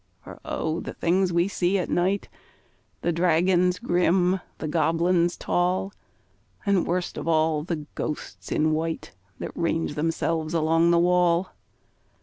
For O! the things we see at night The dragons grim, the goblins tall, And, worst of all, the ghosts in white That range themselves along the wall!